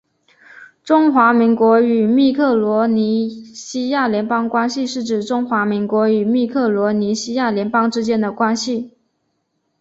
中华民国与密克罗尼西亚联邦关系是指中华民国与密克罗尼西亚联邦之间的关系。